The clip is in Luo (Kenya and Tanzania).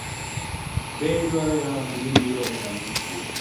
De idwaro yalo to dibiro ekanisa.